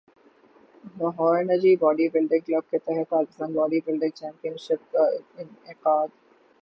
لاہور نجی body building club کے تحت Pakistan body building championship کا انعقاد